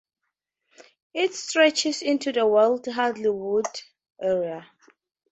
It stretches into the wealthy Hadley Wood area.